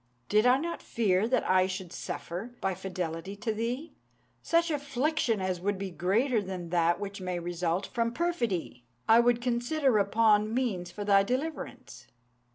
Did I not fear that I should suffer, by fidelity to thee, such affliction as would be greater than that which may result from perfidy, I would consider upon means for thy deliverance."